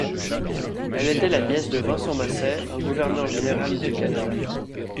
Elle était la nièce de Vincent Massey, un gouverneur général du Canada.